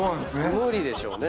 無理でしょうね